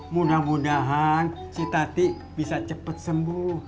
mudah mudahan si tati bisa cepat sembuh